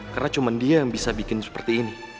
karena cuma dia yang bisa bikin seperti ini